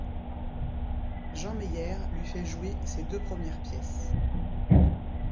Jean Meyer lui fait jouer ses deux premières pièces.